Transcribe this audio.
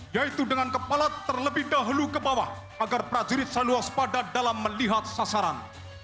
yaitu dengan kepala terlebih dahulu ke bawah agar prajurit selalu waspada dalam melihat sasaran